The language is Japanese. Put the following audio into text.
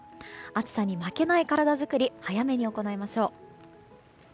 暑さに負けない体づくり早めに行いましょう。